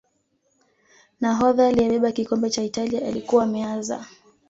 nahodha aliyebeba kikombe cha italia alikuwa Meazza